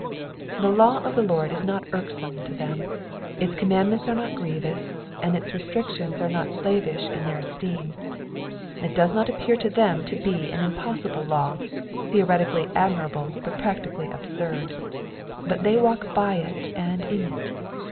The law of the Lord is not irksome to them ; its commandments are not grievous, and its restrictions are not slavish in their esteem. It does not appear to them to be an impossible law, theo retically admirable but practically absurd, but they walk by it and in it.